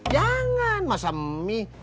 jangan masam mie